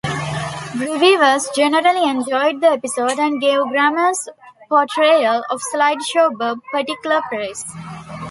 Reviewers generally enjoyed the episode, and gave Grammer's portrayal of Sideshow Bob particular praise.